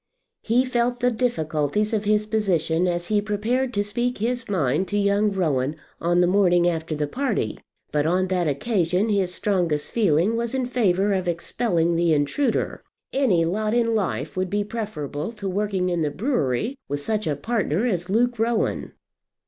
He felt the difficulties of his position as he prepared to speak his mind to young Rowan on the morning after the party; but on that occasion his strongest feeling was in favour of expelling the intruder. Any lot in life would be preferable to working in the brewery with such a partner as Luke Rowan.